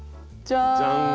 じゃん。